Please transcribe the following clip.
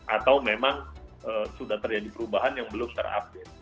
atau memang sudah terjadi perubahan yang belum terupdate